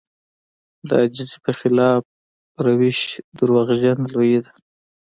د عاجزي په خلاف روش دروغجنه لويي ده.